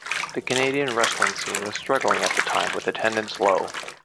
The Canadian wrestling scene was struggling at the time, with attendance low.